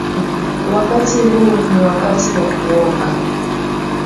Wakati huu ni wakati wa kuomba